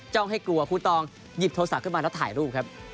ให้กลัวครูตองหยิบโทรศัพท์ขึ้นมาแล้วถ่ายรูปครับ